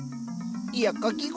いやかき氷